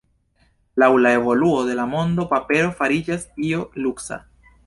Laŭ la evoluo de la mondo papero fariĝas io luksa.